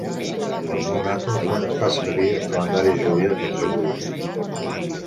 Al Mont Athos es fa servir el calendari julià fins avui.